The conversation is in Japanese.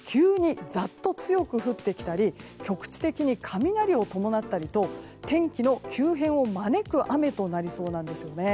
この雨が急にざっと強く降ってきたり局地的に雷を伴ったりと天気の急変を招く雨となりそうなんです。